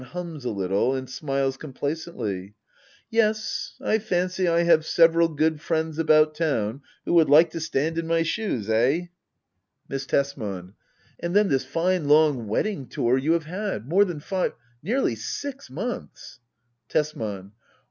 [Hums a little and smiles complacently^.] Yes, I fancy I have several good friends about town who would like to stand in my shoes — eh }, Digitized by Google 12 HEDDA OABLER. [aCT I. Miss Tesman. And then this fine long wedding tour you have had ! More than five — nearly six months Tesman.